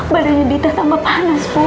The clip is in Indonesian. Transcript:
badannya dita tambah panas bu